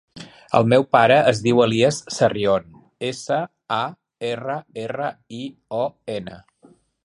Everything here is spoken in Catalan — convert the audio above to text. El meu pare es diu Elías Sarrion: essa, a, erra, erra, i, o, ena.